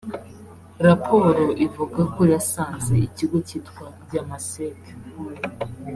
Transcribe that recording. raporo ivuga ko yasanze ikigo kitwa Yamasec